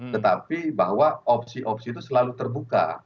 tetapi bahwa opsi opsi itu selalu terbuka